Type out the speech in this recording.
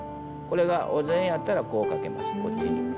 これがお膳やったらこうかけますこっちに。